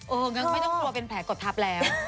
งั้นไม่ต้องกลัวเป็นแผลกดทับแล้ว